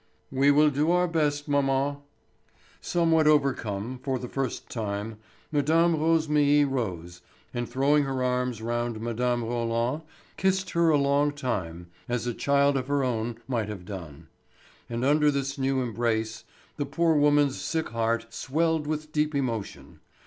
"We will do our best, mamma." Somewhat overcome, for the first time, Mme. Rosémilly rose, and throwing her arms round Mme. Roland, kissed her a long time as a child of her own might have done; and under this new embrace the poor woman's sick heart swelled with deep emotion.